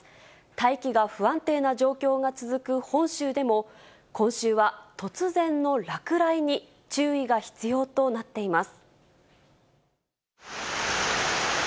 大気が不安定な状況が続く本州でも、今週は突然の落雷に注意が必要となっています。